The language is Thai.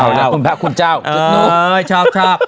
อุขุนพระคุณเจ้าเออชอบ